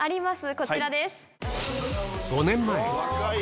こちらです。